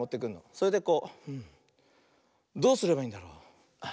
それでこう「どうすればいいんだろう？」。